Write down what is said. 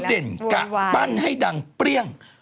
เด่นกะปั้นให้ดังเปรี้ยง